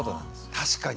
確かに。